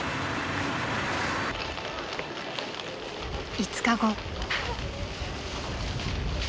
［５日後］